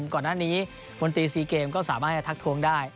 ก่อนหน้านี้มนตรี๔เกมก็สามารถจะทักทวงได้